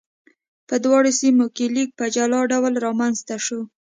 په دواړو سیمو کې لیک په جلا ډول رامنځته شو.